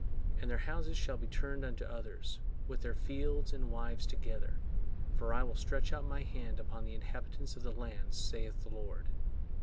And their houses shall be turned unto others, with their fields and wives together; for I will stretch out My hand upon the inhabitants of the land, saith the Lord."